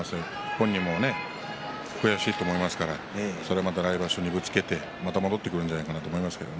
本人も悔しいと思いますから来場所にまたぶつけて戻ってくるんじゃないかなと思います。